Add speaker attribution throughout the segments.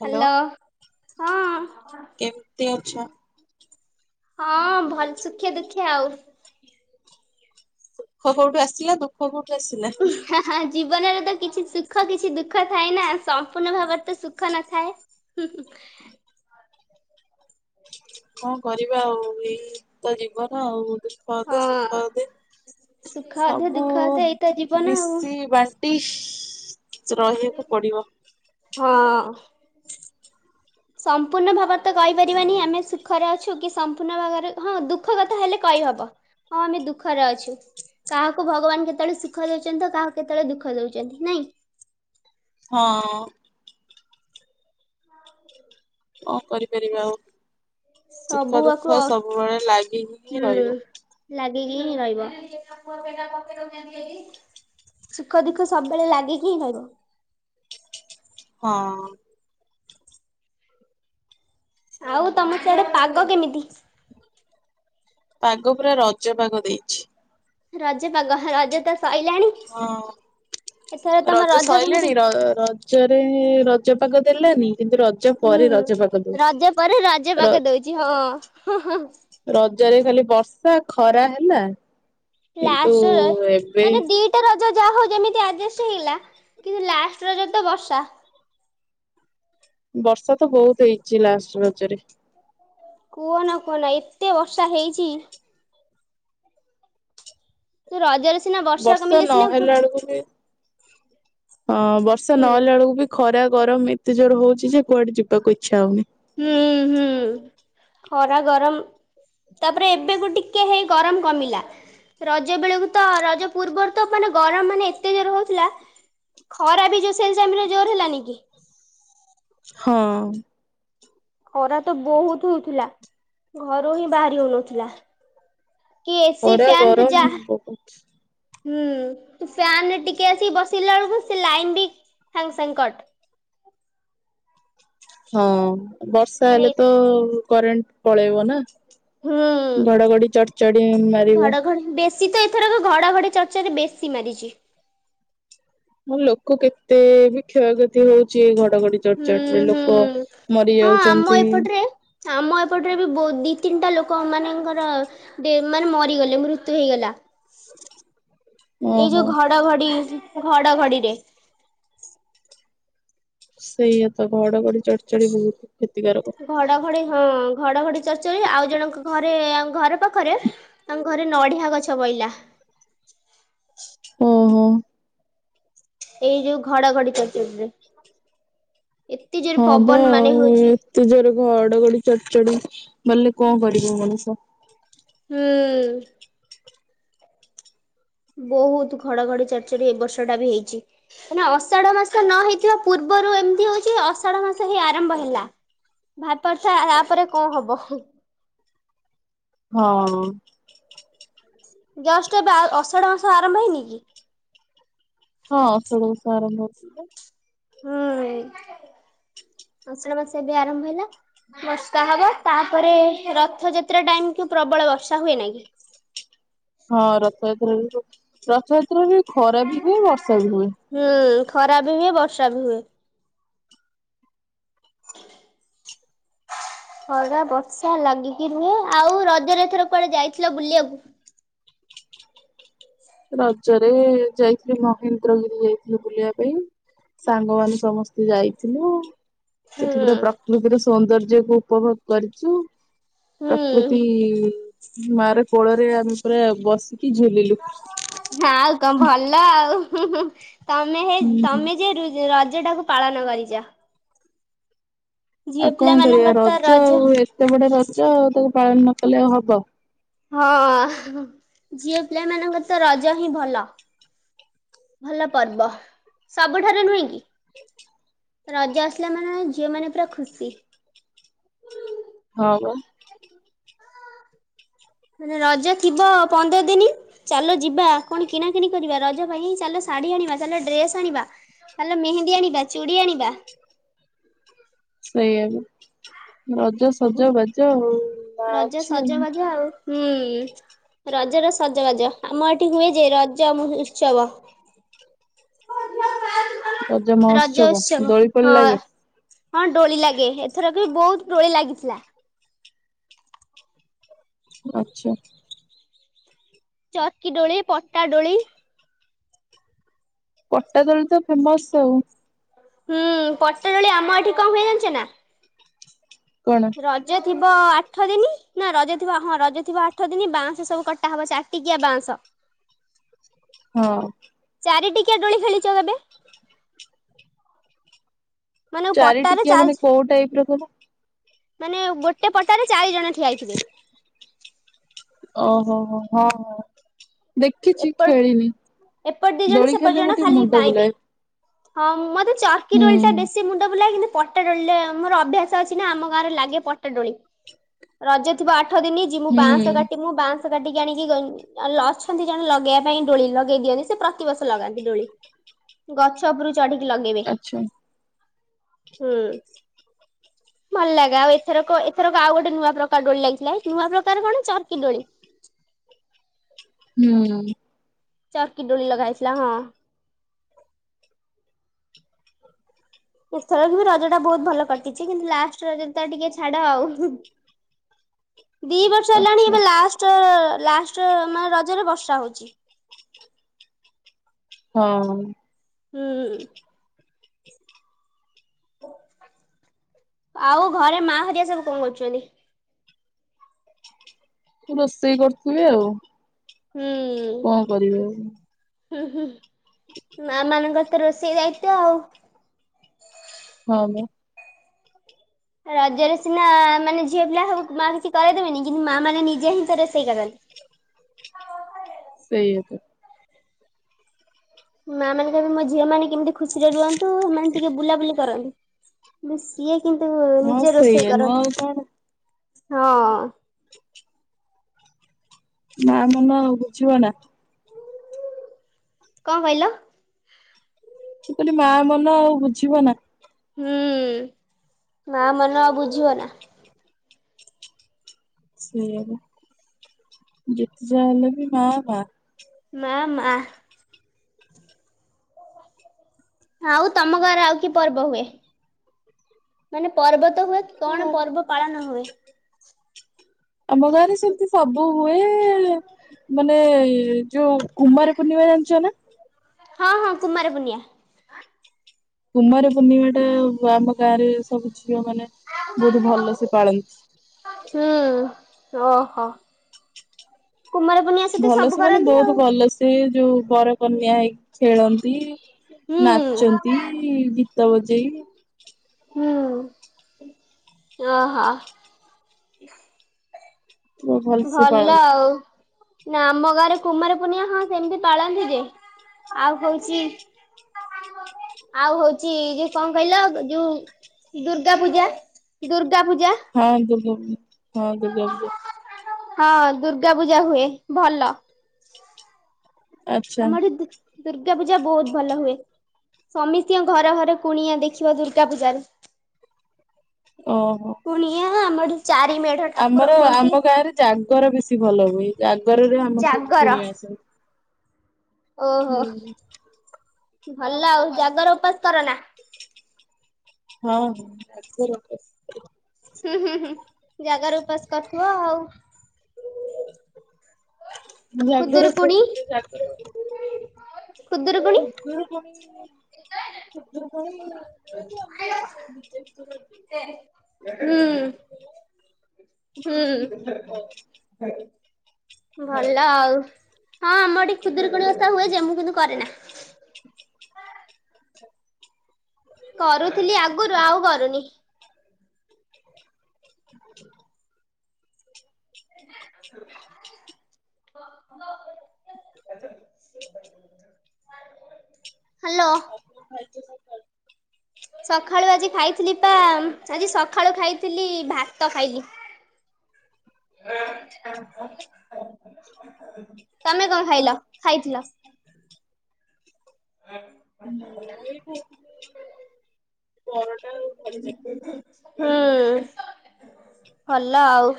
Speaker 1: Hello
Speaker 2: hello, ହଁ।
Speaker 1: କେମିତି ଅଛ?
Speaker 2: ହଁ ଭଲ, ସୁଖେ ଦୁଃଖେ ଆଉ।
Speaker 1: ସୁଖ କଉଠୁ ଆସିଲା, ଦୁଃଖ କଉଠୁ ଆସିଲା? ହୁଁ
Speaker 2: ହା ହା, ଜୀବନରେ ତ କିଛି ସୁଖ କିଛି ଦୁଃଖ ଥାଏ ନା, ସମ୍ପୂର୍ଣ୍ଣ ଭାବରେ ତ ସୁଖ ନଥାଏ? [unintelligible]
Speaker 1: କଣ କରିବା ଆଉ ଏଇ ତ ଜୀବନ ଆଉ। ଦୁଃଖ ଅଧେ ସୁଖ
Speaker 2: ହଁ
Speaker 1: ଅଧେ
Speaker 2: ସୁଖ ଅଧେ
Speaker 1: ସବୁ
Speaker 2: ଦୁଃଖ ଅଧେ ଏଇତ ଜୀବନ ଆଉ।
Speaker 1: ମିଶି ବାଣ୍ଟି ଇସି କିଛି ରହିବାକୁ ପଡିବ।
Speaker 2: ହଁ। ସମ୍ପୂର୍ଣ୍ଣ ଭାବରେ ତ କହିପାରିବାନି ଆମେ ସୁଖରେ ଅଛୁ କି ସମ୍ପୂର୍ଣ୍ଣ ଭାବରେ ହଁ ଦୁଃଖ କଥା ହେଲେ କହିହବ। ହଁ ଆମେ ଦୁଃଖରେ ଅଛୁ। କାହାକୁ ଭଗବାନ କେତେବେଳେ ସୁଖ ଦେଉଛନ୍ତି କାହାକୁ କେତେବେଳେ ଦୁଃଖ ଦେଉଛନ୍ତି ନାଇଁ।
Speaker 1: ହଁ। ହ କରିପାରିବା ଆଉ ସୁଖ
Speaker 2: ସବୁଆକୁ
Speaker 1: ଦୁଃଖ
Speaker 2: ଅ-
Speaker 1: ସବୁବେଳେ ଲାଗି କିହିଁ
Speaker 2: ହୁଁ
Speaker 1: ରହିବ
Speaker 2: ଲାଗିକି ହି ରହିବ। ସୁଖ, ଦୁଃଖ ସବୁବେଳେ ଲାଗିକିଁ ହିଁ କହିବ।
Speaker 1: ହଁ।
Speaker 2: ଆଉ ତମ ସିଆଡେ ପାଗ କେମିତି।
Speaker 1: ପାଗ ପୁରା ରଜ ପାଗ ଦେଇଛି।
Speaker 2: ରଜ ପାଗ ରଜ ତ ସଇ ଲାଣି
Speaker 1: ହଁ।
Speaker 2: ଏଥର ତମ ରଜ
Speaker 1: ସଇଲାଣି
Speaker 2: କେମିତି।
Speaker 1: ର ହ ରଜ। ରଜରେ ରଜପାଗ ଦେଲାନି କିନ୍ତୁ ରଜ।
Speaker 2: ହୁଁ
Speaker 1: ପରେ ରଜ ପାଗ
Speaker 2: ହୁଁ
Speaker 1: ଦଉଛି।
Speaker 2: ରଜ ପରେ ରଜ
Speaker 1: ର
Speaker 2: ପାଗ ଦଉଛି ହଁ।
Speaker 1: ରଜରେ ଖାଲି ବର୍ଷା ଖରା ହେଲା କିନ୍ତୁ ଏବେ ଇ।
Speaker 2: ଗୋଟେ ରଜ ଯାହା ହଉ ଯେମିତି ଆଡଜଷ୍ଟ ହେଇଗଲା କିନ୍ତୁ ଲାଷ୍ଟ ରଜ ତ ବର୍ଷା।
Speaker 1: ବର୍ଷା ତ ବହୁତ ହେଇଛି ଲାଷ୍ଟ ରଜରେ।
Speaker 2: କୁହନା କୁହନା ଏତେ ବର୍ଷା ହେଇଛି। ତୁ ରଜରେ ସିନା
Speaker 1: ବର୍ଷା
Speaker 2: କମିଲେ ସିନା
Speaker 1: ନହେଲା
Speaker 2: କୁହ
Speaker 1: ବେଳକୁ ବି ହଁ ବର୍ଷା
Speaker 2: ହୁଁ
Speaker 1: ନହେଲା ବେଳକୁ ବି। ଖରା ଗରମ ଏତେ ଜୋର ହଉଛି ଯେ କୁଆଡେ ଯିବାକୁ ଇଚ୍ଛା ହଉନି।
Speaker 2: ହୁଁ ହୁଁ ଖରା ଗରମ। ତାପରେ ଏବେକୁ ଟିକେ ହେଇ ଗରମ କମିଲା। ରଜ ବେଳକୁ ତ ରଜ ପୂର୍ବରୁ ତ ମାନେ ଗରମ ମାନେ ଏତେ ଜୋର ହଉଥିଲା। ଖରା ବି ଯୋଉ ସେ ଟାଇମି ରେ ଜୋର ହେଲାନି କି।
Speaker 1: ହଁ।
Speaker 2: ଖରା ତ ବହୁତ ହଉଥିଲା ଘରୁ ହିଁ ବାହାରି ହଉନଥିଲା। କି ଏସି,
Speaker 1: ଖରା
Speaker 2: ଫ୍ୟାନ ତୁ
Speaker 1: ଗରମ
Speaker 2: ଯା।
Speaker 1: ବହୁତ
Speaker 2: ହୁଁ ଫ୍ୟାନ ରେ ଟିକେ ଆସି ବସିଲା ବେଳକୁ ସେ ଲାଇନ ବି ସାଙ୍ଗ ସାଙ୍ଗ କଟ।
Speaker 1: ହଁ ବର୍ଷା
Speaker 2: ମାନେ
Speaker 1: ହେଲେ ତ କରେଣ୍ଟ ପଳେଇବ ନା।
Speaker 2: ହୁଁ।
Speaker 1: ଘଡଘଡି, ଚଡ ଚଡ଼ି ମାରିବ।
Speaker 2: ଘ ବେଶ। ଶୀତ ଏଥରକ ଘଡ଼ଘଡ଼ି, ଚଡ଼ ଚଡି ବେଶୀ ମାରିଛି।
Speaker 1: ମୁଁ ଲୋକ କେତେ ବି କ୍ଷୟ, କ୍ଷତି ହଉଛି ଏ ଘଡଘଡି। ଚଡ଼ ଚଡ଼ି
Speaker 2: ହୁଁ
Speaker 1: ରେ ଲୋକ
Speaker 2: ହୁଁ।
Speaker 1: ମରି
Speaker 2: ହଁ ଆମ
Speaker 1: ଯାଉଛନ୍ତି।
Speaker 2: ଏପଟରେ ଆମ ଏପଟରେ ବି ବହୁ ଦି, ତିନିଟା ଲୋକମାନଙ୍କର। ମାନେ ମରିଗଲେ ମୃତ୍ୟୁ ହେଇଗଲା।
Speaker 1: [unintelligible]
Speaker 2: ଏଇ
Speaker 1: ଓହୋ
Speaker 2: ଯୋଉ ଘଡଘଡି, ଘଡଘଡିରେ।
Speaker 1: ସେଇଆ ତ ଘଡଘଡି, ଚଡ଼ ଚଡ଼ି ବହୁତ କ୍ଷତିକାରକ।
Speaker 2: ଘଡଘଡି ହଁ ଘଡଘଡି ଚର୍ଚରି ଆଉ ଜଣଙ୍କ ଘରେ ଘର ପାଖରେ। ତାଙ୍କ ଘରେ ନଡ଼ିଆ ଗଛ ପଇଲା।
Speaker 1: ଓହୋ।
Speaker 2: ଏଇ ଯୋଉ ଘଡଘଡି ଚଡ୍ ଚଡିରେ।
Speaker 1: ହବ
Speaker 2: ମାନେ
Speaker 1: ଆଉ
Speaker 2: ହଉଛି
Speaker 1: ଏ ତେ ଜୋରେ ଘଡଘଡି ଚଡ ଚଡି ମାଲେ କଣ କରିବ ମଣିଷ।
Speaker 2: ହୁଁ। ବୋହୁତ୍ ଘଡଘଡି ଚଡ ଚଡି ଏ ବର୍ଷ ଟା ବି ହେଇଚି। ତାନେ ଅଷାଢ ମାସ ନ ହେଇଥିବା ପୂର୍ବରୁ ଏମିତି ହଉଛି ଅଷାଢ ମାସ ହେଇ ଆରମ୍ଭ ହେଲା। ଭାବି ପରୁଥା ଆପରେ କଣ ହବ।
Speaker 1: ହଁ।
Speaker 2: ଜଷ୍ଟ୍ ଏବେ ଅଷାଢ଼ ମାସ ଆରମ୍ଭ ହେଇନି କି?
Speaker 1: ହଁ ଅଷାଢ ବର୍ଷ ଆରମ୍ଭ ହଉଥିଲା।
Speaker 2: ହୁଁ ଅଶାଢ ମାସ ଏବେ ଆରମ୍ଭ ହେଲା। ବର୍ଷା ହବ ତାପରେ ରଥଯାତ୍ରା ଟାଇମ୍ କୁ ପ୍ରବଳ ବର୍ଷା ହୁଏ ନା କି।
Speaker 1: ହଁ ରଥଯାତ୍ରା ବି ରଥଯାତ୍ରା ବି ଖରା ବି ହୁଏ ବର୍ଷା ବି ହୁଏ।
Speaker 2: ହୁଁ ଖରା ବି ହୁଏ ବର୍ଷା ବି ହୁଏ। ଖରା ବର୍ଷା ଲାଗିକି ରୁହେ ଆଉ ରଜରେ ଏଥର କୁଆଡେ ଯାଇଥିଲା ବୁଲିବାକୁ?
Speaker 1: ରଜରେ ଯାଇଥିଲି ମହେନ୍ଦ୍ରଗିରି ଯାଇଥିଲି ବୁଲିବା ପାଇଁ। ସାଙ୍ଗମାନୋନ ସମସ୍ତେ ଯାଇଥିଲୁ।
Speaker 2: ହୁଁ
Speaker 1: ସେଠିପୁରା ପ୍ରକୃତିର ସୌନ୍ଦର୍ଯ୍ୟ କୁ ଉପଭୋଗ କରିଚୁ। ପ୍ରକୃତି
Speaker 2: ହୁଁ
Speaker 1: ମା ର କୋଳରେ ଆମେ ପୁରା ବସିକି ଝୁଲିଲୁ।
Speaker 2: ନା ଆଉ କଁ ଭଲ ଆଉ ତମେ ହେ
Speaker 1: ହୁଁ ହୁଁ।
Speaker 2: ତମେ ଯେ ରଜ ଟାକୁ ପାଳନ କରିଚ।
Speaker 1: ଆଉ କଁ
Speaker 2: ପିଲା
Speaker 1: କରିବା
Speaker 2: ମାନଙ୍କର ତ
Speaker 1: ରଜ ଆଉ ଏତେ ବଡ ରଜ ଆଉ ତାକୁ ପାଳନ ନ କଲେ ଆଉ ହବ?
Speaker 2: ହଁ ଝିଅ ପିଲାମାନାନଙ୍କର ତ ରଜ ହିଁ ଭଲ। ଭଲ ପର୍ବ ସବୁଠାରୁ ନୁହେଁ କି? ରଜ ଆସିଲା ମାନେ ଝିଅମାନୋନ ପୁରା ଖୁସି।
Speaker 1: ହଁ ପା।
Speaker 2: ମାନେ ରଜ ଥିବ ପନ୍ଦର୍ ଦିନି ଚାଲ ଯିବା କଣ କିଣାକିଣି କରିବା ରଜ ପାଇଁ ହିଁ ଚାଲ ଶାଢୀ ଆଣିବା ଚାଲ ଡ୍ରେସ୍ ଆଣିବା। ଚାଲ ମେହେନ୍ଦୀ ଆଣିବା ଚୁଡ଼ି ଆଣିବା।
Speaker 1: ସେଇଆବା ରଜ
Speaker 2: ସବୁ
Speaker 1: ସଜ ବାଜ ଆଉ ନାଁ
Speaker 2: ରଜ
Speaker 1: ଅଛି ଆଉ।
Speaker 2: ସଜବାଜ ହୁଁ ରଜର ସଜବାଜ ଆମ ଏଠି ହୁଏ ଯେ ରଜ ଉତ୍ସବ।
Speaker 1: ରଜ
Speaker 2: ରଜ
Speaker 1: ମହୋତ୍ସବ
Speaker 2: ଉତ୍ସବ
Speaker 1: ଦୋଳି ଫୋଳି
Speaker 2: ହଁ।
Speaker 1: ଲାଗେ।
Speaker 2: ହଁ ଡୋଳି ଲାଗେ ଏଥରକ ବହୁତ ଡୋଳି ଲାଗିଥିଲା।
Speaker 1: ଆଚ୍ଛା।
Speaker 2: ଚକି ଡୋଳି ପଟା ଡୋଳି।
Speaker 1: ପଟା ଦୋଳି ତ ଫେମସ୍ ଆଉ।
Speaker 2: ହୁଁ ପଟାଦୋଳି ଆମ ଏଠି କଁ ହୁଏ ଯାଣିଛ ନା?
Speaker 1: କଣ?
Speaker 2: ରଜ ଥିବ ଆଠ ଦିନି ନା ରଜ ଥିବ ହଁ ରଜ ଥିବ ଆଠ ଦିନ ବାଉଁଶ ସବୁ କଟା ହବ ଚାଟିକିଆ ବାଉଁଶ।
Speaker 1: ହଁ।
Speaker 2: ଚାରି ଟିକିଆ ଡୋଳି ଖେଳିଛ କେବେ? ମାନେ
Speaker 1: ଚାରି
Speaker 2: ପଟାରେ
Speaker 1: ଟିକିଆ ମାନେ
Speaker 2: ଚାରି
Speaker 1: କୋଉ ଟାଇପ୍ ରକୁହ।
Speaker 2: ମାନେ ଗୋଟେ ପଟାରେ ଚାରି ଜଣ ଠିଆ ହେଇଥିବେ।
Speaker 1: ଓହୋ ହୋ ହ ହଁ ଦେଖିଛି ଖେଳିନି।
Speaker 2: ଏପଟେ ଦିଇ ଜଣ
Speaker 1: ଦୋଳି
Speaker 2: ସେପଟେ ଦିଇ
Speaker 1: ଖେଳିଲେ ମୋ
Speaker 2: ଜଣ
Speaker 1: ଟିକେ
Speaker 2: ଖାଲି
Speaker 1: ମୁଣ୍ଡ
Speaker 2: ବାହିବେ
Speaker 1: ବୁଲାଏ
Speaker 2: ହଁ ମତେ ଚରିକି
Speaker 1: ହୁଁ।
Speaker 2: ଦୋଳି ଟା ବେଶୀ ସେ ମୁଣ୍ଡ ବୁଲାଏ କିନ୍ତୁ ପଟା ଦୋଳିରେ ମୋର ଅଭ୍ୟାସ ଅଛି ନା ଆମ ଗାଁରେ ଲାଗେ ପଟା ଦୋଳି। ରଜ ଥିବ ଆଠ ଦିନ ଜିମୁଁ
Speaker 1: ହୁଁ
Speaker 2: ବାଁଶ କାଟିମୁ ବାଁଶ କାଟିକି ଆଣିକି ଅଛନ୍ତି ଜଣେ ଲଗେଇବା ପାଇଁ ଦୋଳି। ଲଗେଇ ଦିଅନ୍ତି ସେ ପ୍ରତିବର୍ଷ ଲଗାନ୍ତି ଦୋଳି ଗଛ ଉପରୁ ଚଢିକି ଲଗେଇବେ।
Speaker 1: ଆଚ୍ଛା
Speaker 2: ହୁଁ। ଭଲ ଲାଗେ ଆଉ ଏଥର ଏଥର ଆଉ ଗୋଟେ ନୂଆ ପ୍ରକାର ଦୋଳି ଲାଗିଥିଲା ନୂଆ ପ୍ରକାର କଣ ଚରର୍କି ଦୋଳି।
Speaker 1: ହୁଁ।
Speaker 2: ଚରିର୍କି ଦୋଳି ଲଗା ହେଥିଲା ହଁ। ଏଥରକ ବି ରଜ ଟା ବୋହୁତ ଭଲ କଟିଛି କିନ୍ତୁ ଲାଷ୍ଟ ରଜ ଟିକେ ଛାଡ ଆଉ। ଦିଇ ବର୍ଷ ହେଲାଣି
Speaker 1: ଆଚ୍ଛା
Speaker 2: ଏବେ ଲାଷ୍ଟ ଲାଷ୍ଟ ମାନେ ରଜରେ ବର୍ଷା ହୋଉଚି।
Speaker 1: ହଁ।
Speaker 2: ହୁଁ। ଆଉ ଘରେ ମା ହରିଆକା ସବୁ କଣ କରୁଛନ୍ତି?
Speaker 1: କି ରୋଷେଇ କରୁଥିବେ ଆଉ।
Speaker 2: ହୁଁ
Speaker 1: କଣ କରିବେ ଆଉ
Speaker 2: ହୁଁ ହୁଁ ମାନଙ୍କ ମୋରତ ରୋଷେଇ ଦାୟିତ୍ଵ ଆଉ।
Speaker 1: ହାଲୋ।
Speaker 2: ରଜରେ ସିନା ମାନେ ଝିଅ ପିଲା ସବୁକୁ ମା କିଛି କରିଦେବେନି କିନ୍ତୁ ମା ମାନେ ନିଜେ ହିଁ ତ ରୋଷେଇ କରନ୍ତି।
Speaker 1: ସେଇଆ ପା।
Speaker 2: ମାଆ ମାନେ ସବୁ କହିବେ ମୋ ଝିଅ ମାନ କେମିତି ଖୁସିରେ ରୁହନ୍ତୁ ସେମାନେେ ଟିକେ ବୁଲାବୁଲି କରନ୍ତୁ। ନା ସିଏ କିନ୍ତୁ
Speaker 1: ହଁ
Speaker 2: ନିଜେ ରୋଷେଇ
Speaker 1: ସେଇଆ ନୁହଁ ଆଉ କଣ
Speaker 2: କରନ୍ତି ହଁ।
Speaker 1: [inaudible] ମା ମନ ଆଉ ବୁଝିବ ନା।
Speaker 2: କଣ କହିଲ?
Speaker 1: ମୁଁ କହିଲି ମା ମନ ଆଉ ବୁଝିବ ନା।
Speaker 2: ହୁଁ ମା ମନ ଆଉ ବୁଝିବ ନା।
Speaker 1: ସେଇଆପା ଯେତେ ଯା ହେଲେବି ମା ମା।
Speaker 2: ମା ମା। ଆଉ ତମ ଗାଁରେ ଆଉ କି ପର୍ବ ହୁଏ ମାନେ ପର୍ବ ତ ହୁଏ କଣ ପର୍ବ ପାଳନ ହୁଏ?
Speaker 1: ଆମ ଗାଁରେ ସେମିତି ସବୁ ହୁଏ ମାନେ ଯୋଉ କୁମାର ପୂର୍ଣିମା ଜାଣିଚ ନା?
Speaker 2: ହଁ ହଁ କୁମାର ପୂର୍ଣ୍ଣିମା।
Speaker 1: କୁମାର ପୂର୍ଣ୍ଣିମା ଟା ଆମ ଗାଁ ରେ ସବୁ ଝିଅ ମାନେ ବୋହୁତ ଭଲସେ ପାଳନ୍ତି।
Speaker 2: ହୁଁ ଓହୋ କୁମାର ପୂର୍ଣ୍ଣିମା ସହିତ
Speaker 1: ଭଲ
Speaker 2: ସବୁ
Speaker 1: ସେ ମାନେ
Speaker 2: କରନ୍ତି
Speaker 1: ବୋହୁତ
Speaker 2: ଆଉ।
Speaker 1: ଭଲ ସେ ଯୋଉ ବରକନ୍ୟା ହେଇକି ଖେଳନ୍ତି
Speaker 2: ହୁଁ
Speaker 1: ନାଚନ୍ତି ଗୀତ ବଜେଇ
Speaker 2: ହୁଁ ଓହୋ।
Speaker 1: ପୁରା ଭଲସେ
Speaker 2: ଭଲ
Speaker 1: ପାଳନ୍ତି
Speaker 2: ଆଉ ନା ଆମ ଗାଁରେ କୁମାରୀ ପୂର୍ଣ୍ଣିମା ହଁ ସେମିତି ପାଳନ୍ତି ଯେ ଆଉ ହୋଉଚି ଆଉ ହଉଛି ଯୋଉ କଣ କହିଲ ଯୋଉ? ଦୁର୍ଗା ପୂଜା ଦୁର୍ଗା ପୂଜା।
Speaker 1: ହଁ ଦୁର୍ଗା ହଁ ଦୁର୍ଗା ପୂଜା।
Speaker 2: ହଁ ଦୁର୍ଗା ପୂଜା ହୁଏ ଭଲ।
Speaker 1: ଆଚ୍ଛା
Speaker 2: ଆମ ଏଠି ଦୁର୍ଗା ପୂଜା ବହୁତ ଭଲ ହୁଏ। ସମୀସ୍ତିଙ୍କ ଘର ଘର କୁଣିଆ ଦେଖିବ ଦୁର୍ଗା ପୂଜାରେ।
Speaker 1: ଓହୋ
Speaker 2: କୁଣିିଆ ଆମର ଏଠି ଚାରି ମେଢ଼।
Speaker 1: ଆମର ଆମ ଗାଁରେ ଜାଗର ବେଶୀ ଭଲ ହୁଏ ଜାଗରରେ ଆମର ସବୁ
Speaker 2: ଜାଗର।
Speaker 1: କୁଣିଆ ଆସନ୍ତି।
Speaker 2: ଓହୋ
Speaker 1: ହୁଁ
Speaker 2: ଭଲ ଆଉ ଜାଗର ଓପାସ କର ନା।
Speaker 1: ହଁ ହଁ ଜାଗର ଓପାସ।
Speaker 2: ହୁଁ ହୁଁ ହୁଁ ଜାଗର ଉପାସ କରୁଥିବ ଆଉ।
Speaker 1: ଜାଗର ଓପାସ କରେ ଜାଗର।
Speaker 2: ହ
Speaker 1: ଖୁଦୁରୁକୁଣୀ ଖୁଦୁରୁକୁଣୀ ଶୁଣିଚ ମୁଁ ଟ୍ୟାକ୍ସ ସବୁ ରିଜେକ୍ଟ୍ କରିଦେଇଚି।
Speaker 2: ହୁଁ। ହୁଁ। ଭଲ ଆଉ ହଁ ଆମର ଏଠି ଖୁଦୁରୁକୁଣୀ ଓଷା ହୁଏ ଯେ ମୁଁ କିନ୍ତୁ କରେନା।
Speaker 1: [unintelligible]
Speaker 2: କରୁଥିଲି ଆଗୁରୁ ଆଉ କରୁନି।
Speaker 1: [unintelligible]
Speaker 2: [inaudible]
Speaker 1: [inaudible]
Speaker 2: ହ୍ୟାଲୋ।
Speaker 1: କଣ ଖାଇଚ ସକାଳୁ?
Speaker 2: ସଖାଳୁ ଆଜି ଖାଇଥିଲି ପା ଆଜି ସଖାଳୁ ଖାଇଥିଲି ଭାତ ଖାଇଲି। [unintelligible] ତମେ କଣ ଖାଇଲ ଖାଇଥିଲ? [inaudible]
Speaker 1: ମୁଁ ଏଇ କହୁଥିଲି ପରଟା ଆଉ ଭଜା।
Speaker 2: ହୁଁ ଭଲ ଆଉ।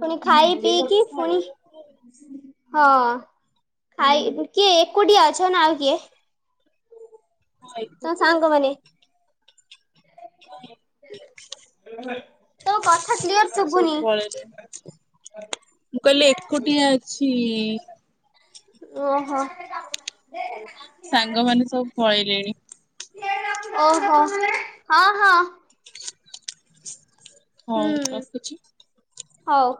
Speaker 2: ଫୁଣି ଖାଇ ପିଇକି ଫୁଣି ହଁ ଖାଇ କିଏ ଏକୁଟିଆ ଅଛ ନା ଆଉ କିଏ? ତମ ସାଙ୍ଗମାନେ।
Speaker 1: [unintelligible]
Speaker 2: ତୋ କଥା କ୍ଲିୟର
Speaker 1: ସାଙ୍ଗମାନେ ସବୁ
Speaker 2: ଶୁଭୁନି
Speaker 1: ପଳେଇଲେ। ମୁଁ କହିଲି ଏକୁଟିଆ ଅଛି।
Speaker 2: ଓହୋ
Speaker 1: ସାଙ୍ଗମାନେ ସବୁ ପଳେଇଲେଣି
Speaker 2: ଓହୋ ହଁ ହଁ।
Speaker 1: ହଉ
Speaker 2: ହୁଁ
Speaker 1: ରଖୁଛି।
Speaker 2: ହଉ।